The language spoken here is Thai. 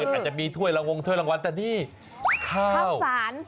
อาจจะมีถ้วยรางวัลแต่นี่ข้าวข้าวสาร